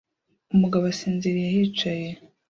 Umugabo asinziriye yicaye